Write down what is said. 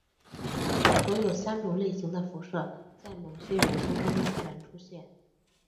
所有三种类型的辐射在某些元素中自然出现。